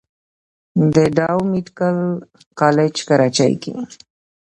د ډاؤ ميديکل کالج کراچۍ کښې